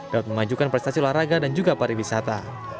dapat memajukan prestasi olahraga dan juga pariwisata